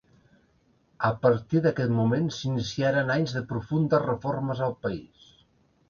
A partir d'aquest moment s'iniciaren anys de profundes reformes al país.